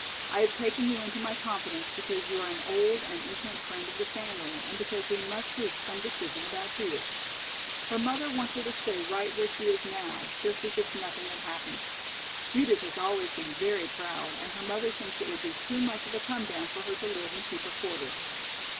I have taken you into my confidence because you are an old and intimate friend of the family and because we must reach some decision about Judith. Her mother wants her to stay right where she is now, just as if nothing had happened. Judith has always been very proud and her mother thinks it would be too much of a come down for her to live in cheaper quarters."